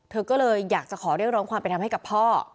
เธอก็เลยอยากจะขอเรียกร้องความเป็นธรรมให้กับพ่อ